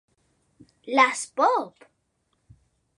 Las Pop!